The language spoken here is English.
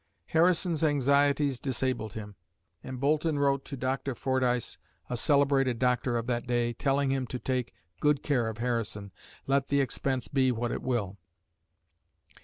Harrison's anxieties disabled him, and Boulton wrote to Dr. Fordyce, a celebrated doctor of that day, telling him to take good care of Harrison, "let the expense be what it will."